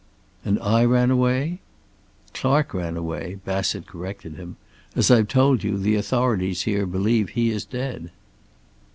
"And I ran away?" "Clark ran away," Bassett corrected him. "As I've told you, the authorities here believe he is dead."